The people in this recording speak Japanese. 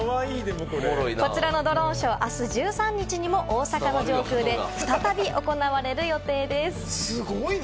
こちらのドローンショー、あす１３日にも大阪の上空で再び行われる予定です。